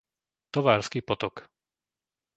Tovársky potok